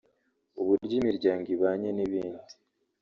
uburyo imiryango ibanye n’ibindi